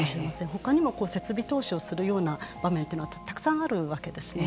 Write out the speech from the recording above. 他にも設備投資をするような場面というのはたくさんあるわけですね。